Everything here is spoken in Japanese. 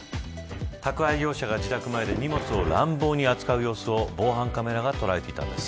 宅配業者が自宅前で荷物を乱暴に扱う様子を防犯カメラが捉えていたんです。